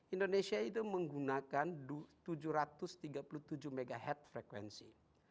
indonesia itu menggunakan tujuh ratus tiga puluh tujuh mhz frekuensi